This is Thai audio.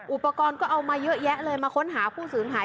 อุปกรณ์ก็เอามาเยอะแยะเลยมาค้นหาผู้สูญหาย